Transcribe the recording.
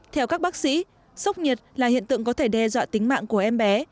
theo các bác sĩ sốc nhiệt là hiện tượng có thể đe dọa tính mạng của em bé